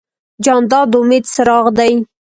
جانداد د امید څراغ دی.